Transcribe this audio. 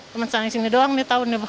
teman teman yang sini doang nih tau nih